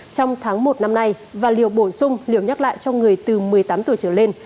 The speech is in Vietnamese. trong tháng một năm nay và liều bổ sung liều nhắc lại cho người từ một mươi tám tuổi trở lên